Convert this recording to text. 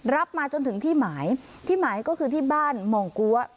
มาจนถึงที่หมายที่หมายก็คือที่บ้านมองกัว